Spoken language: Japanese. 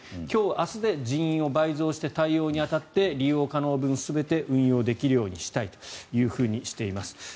今日明日で人員を倍増して対応に当たって利用可能分全て運用できるようにしたいとしています。